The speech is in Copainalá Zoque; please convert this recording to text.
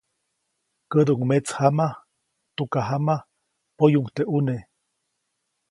Käduʼuŋ metsjama, tukajama, poyuʼuŋ teʼ ʼune.